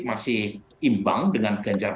masih imbang dengan ganjar